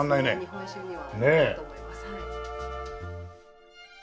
日本酒には合うと思います。